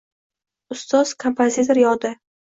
Ustoz kompozitor yodi